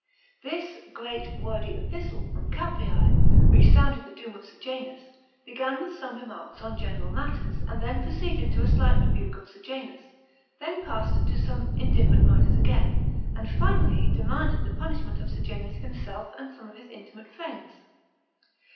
This "great wordy epistle" from Capreas,* which sounded the doom of Sejanus, began wi h some remarks on general matters, and then proceeded to a slight rebuke of Sejanus; then passed to some indifferent matters again, and finally demanded ihe punishment of Sejanus himself and some of his intimate friends.